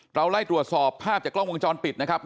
เราไล่ตรวจสอบภาพจากกล้องวงจรปิดนะครับ